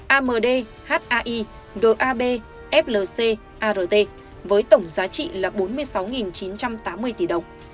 amd hai gab flc art với tổng giá trị là bốn mươi sáu chín trăm tám mươi tỷ đồng